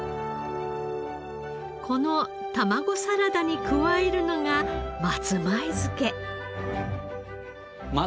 この卵サラダに加えるのが松前漬け。